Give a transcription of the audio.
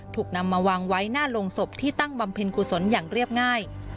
ถูกนำมาวางไว้หน้าโรงศพที่ตั้งบำเพ็ญกุศลอย่างเรียบง่าย